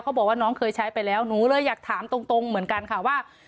บอกว่าน้องเคยใช้ไปแล้วหนูเลยอยากถามตรงเหมือนกันค่ะว่า